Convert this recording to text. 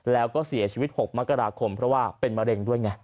แล้วก็เสียชีวิต๖มกราคมเพราะว่าเป็นมะเร็งด้วยไง